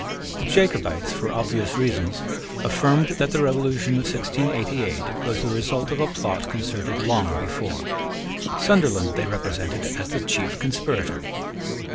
The Jacobites, for obvious reasons, affirmed that the revolution of 1688 was the result of a plot concerted long before. Sunderland they represented as the chief conspirator.